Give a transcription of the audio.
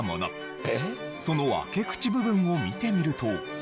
その開け口部分を見てみると。